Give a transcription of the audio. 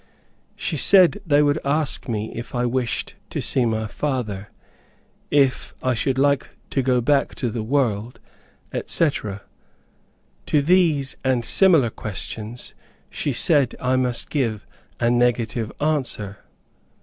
She said they would ask me if I wished to see my father; if I should like to go back to the world, etc. To these and similar questions she said I must give a negative answer.